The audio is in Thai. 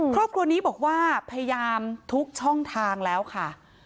ครอบครัวนี้บอกว่าพยายามทุกช่องทางแล้วค่ะ